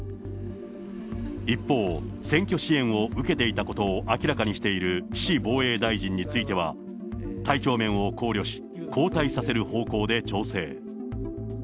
一方、選挙支援を受けていたことを明らかにしている岸防衛大臣については、体調面を考慮し、交代させる方向で調整。